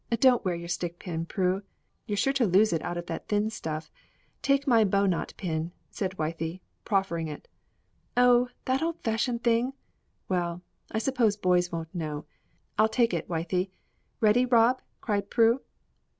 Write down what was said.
"Don't wear your stick pin, Prue; you're sure to lose it out of that thin stuff. Take my bow knot pin," said Wythie, proffering it. "Oh, that old fashioned thing! Well, I suppose boys won't know I'll take it, Wythie. Ready, Rob?" cried Prue.